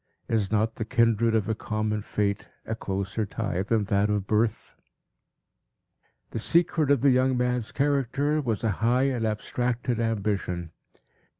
Is not the kindred of a common fate a closer tie than that of birth? The secret of the young man's character was, a high and abstracted ambition.